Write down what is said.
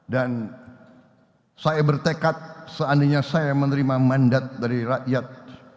dan saya bertekad seandainya saya menerima mandat dari rakyat